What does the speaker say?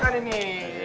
sambil makan ini